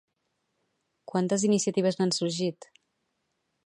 Quantes iniciatives n'han sorgit?